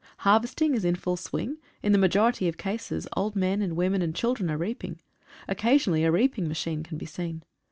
Harvesting is in full swing — in the majority of cases old men and women and children are reaping. Occasionally a reaping machine can be seen.